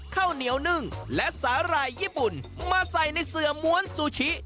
ข้าวเหนียวนึ่งและสาหร่ายญี่ปุ่นมาใส่ในเสือม้วนซูชิ